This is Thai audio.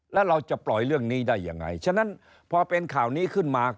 แล้วเราจะปล่อยเรื่องนี้ได้ยังไงฉะนั้นพอเป็นข่าวนี้ขึ้นมา